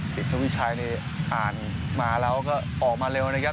สินตะวีชัยนี่อ่านมาแล้วก็ออกมาเร็วเลยครับ